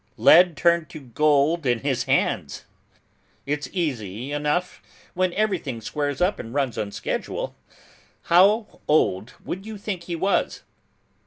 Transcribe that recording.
Lead turned to gold in his hands. It's easy enough when everything squares up and runs on schedule. How old would you think he was?